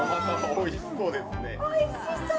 わおいしそう！